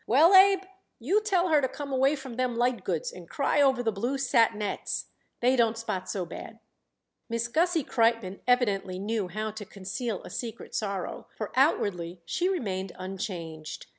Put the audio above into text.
"Well, Abe, you tell her to come away from them light goods and cry over the blue satinets. They don't spot so bad." Miss Gussie Kreitmann evidently knew how to conceal a secret sorrow, for outwardly she remained unchanged.